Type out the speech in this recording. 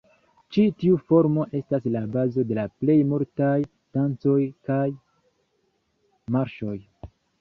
Ĉi tiu formo estas la bazo de la plej multaj dancoj kaj marŝoj.